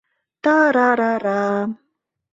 Та-ра-ра-ра...